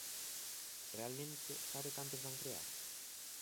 Realmente, ¿sabe cantos van crear?